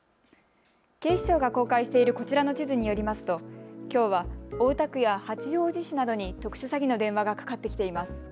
警視庁が公開しているこちらの地図によりますときょうは大田区や八王子市などに特殊詐欺の電話がかかってきています。